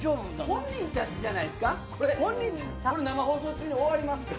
本人達じゃないですか。